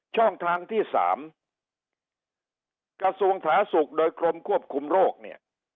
ช่องทางที่๓กระทรวงสาธารณสุขโดยกรมควบคุมโรคเนี่ย